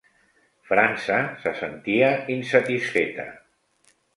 França se sentia insatisfeta.